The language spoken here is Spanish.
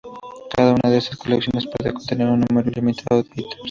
Cada una de estas colecciones puede contener un número ilimitado de ítems.